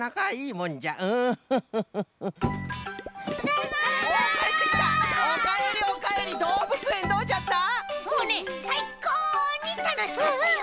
もうねさいこうにたのしかったよ！